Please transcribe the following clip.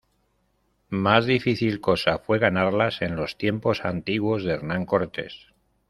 más difícil cosa fué ganarlas en los tiempos antiguos de Hernán Cortés.